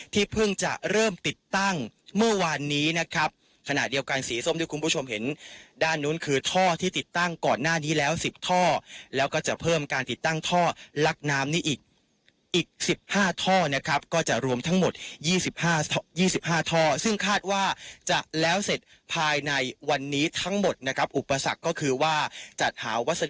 เพิ่งจะเริ่มติดตั้งเมื่อวานนี้นะครับขณะเดียวกันสีส้มที่คุณผู้ชมเห็นด้านนู้นคือท่อที่ติดตั้งก่อนหน้านี้แล้ว๑๐ท่อแล้วก็จะเพิ่มการติดตั้งท่อลักน้ำนี้อีกอีก๑๕ท่อนะครับก็จะรวมทั้งหมด๒๕๒๕ท่อซึ่งคาดว่าจะแล้วเสร็จภายในวันนี้ทั้งหมดนะครับอุปสรรคก็คือว่าจัดหาวัส